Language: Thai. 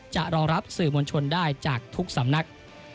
จะรอรับสื่อมวลชนได้จากทุกสำนัก